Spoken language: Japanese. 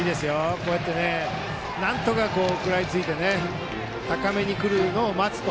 こうやってなんとか食らいついて高めに来るのを待つと。